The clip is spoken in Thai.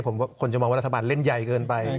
ผมคนจะมองว่ารัฐบาลเล่นใหญ่เกินไป